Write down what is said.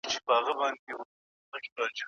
آیا پر ميرمن باندي له خاوند سره سفر کول واجب دي؟